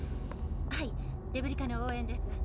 はいデブリ課の応援ですが。